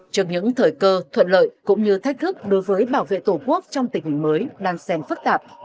trước những thời cơ thuận lợi cũng như thách thức đối với bảo vệ tổ quốc trong tình hình mới đang xem phức tạp